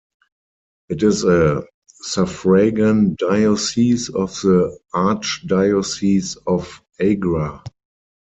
It is a suffragan diocese of the Archdiocese of Agra.